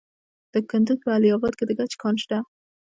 د کندز په علي اباد کې د ګچ کان شته.